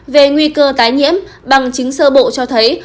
về nguy cơ tái nhiễm bằng chứng sơ bộ cho thấy